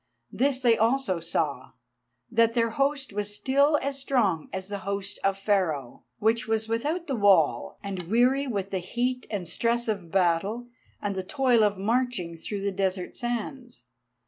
This they saw also, that their host was still as strong as the host of Pharaoh, which was without the wall, and weary with the heat and stress of battle and the toil of marching through the desert sands.